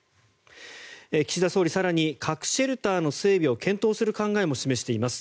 岸田総理、更に核シェルターの整備を検討する考えも示しています。